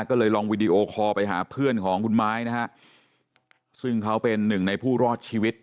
ก็เลยลองวิดีโอคอลไปหาเพื่อนของคุณไม้นะฮะซึ่งเขาเป็นหนึ่งในผู้รอดชีวิต